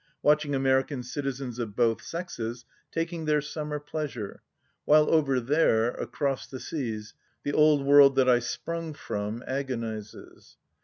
watching American citizens of both sexes taking their summer pleasure, while over there, across the seas, the old world that I sprung from agonizes.